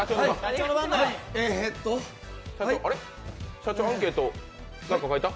社長、アンケートちゃんと書いた？